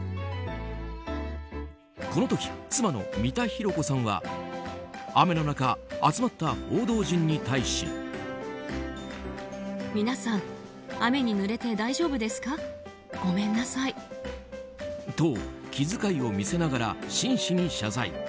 この時、妻の三田寛子さんは雨の中、集まった報道陣に対し。と、気遣いを見せながら真摯に謝罪。